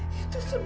tidak ada apa